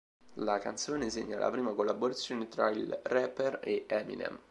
La canzone segna la prima collaborazione tra il rapper e Eminem.